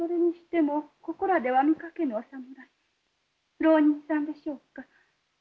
浪人さんでしょうか。